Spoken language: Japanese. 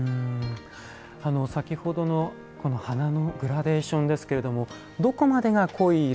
先ほどのこの花のグラデーションですけれどもどこまでが濃い色